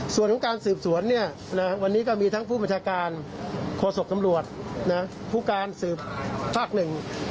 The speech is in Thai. ส่วนของการสืบสวนเนี่ยนะวันนี้ก็มีทั้งผู้บัญชาการโฆษกตำรวจผู้การสืบภาคหนึ่ง